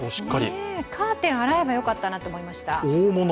カーテン洗えばよかったなと思いました。